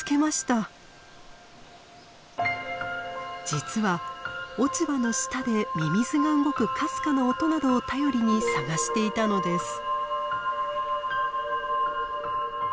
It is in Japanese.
実は落ち葉の下でミミズが動くかすかな音などを頼りに探していたのです。